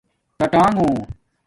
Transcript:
ٹآٹآنݣوں